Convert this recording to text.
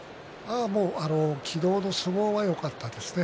昨日の相撲はよかったですね。